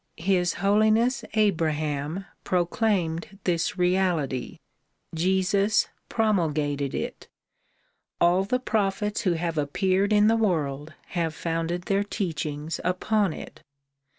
His Holiness Abraham proclaimed this reality, Jesus promulgated it ; all the prophets who have appeared in the world have founded their teachings upon it.